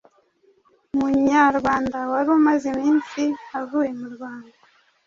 Umunyarwanda wari umaze iminsi avuye mu Rwanda.